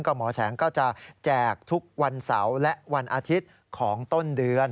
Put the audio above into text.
หมอแสงก็จะแจกทุกวันเสาร์และวันอาทิตย์ของต้นเดือน